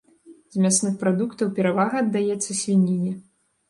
З мясных прадуктаў перавага аддаецца свініне.